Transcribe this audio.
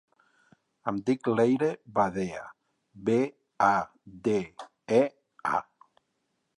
Em dic Leire Badea: be, a, de, e, a.